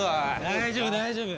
大丈夫大丈夫